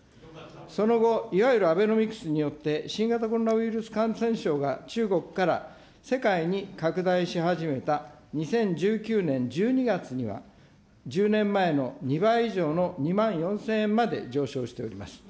その後、いわゆるアベノミクスによって、新型コロナウイルス感染症が中国から世界に拡大し始めた２０１９年１２月には、１０年前の２倍以上の２万４０００円まで上昇しております。